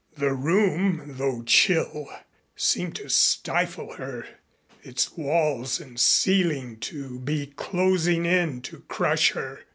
The room, though chill, seemed to stifle her, its walls and ceiling to be closing in to crush her.